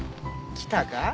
来たか？